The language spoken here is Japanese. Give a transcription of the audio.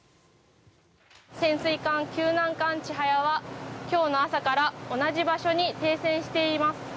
潜水艦救難艦「ちはや」は今日の朝から同じ場所に停船しています。